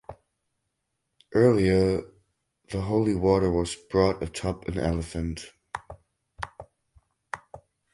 Earlier the holy water was brought atop an elephant.